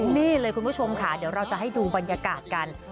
นี่เลยคุณผู้ชมค่ะเดี๋ยวเราจะให้ดูบรรยากาศกัน